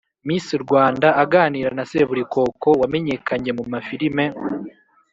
miss rwanda aganira na seburikoko wamenyekanye mu mafilime,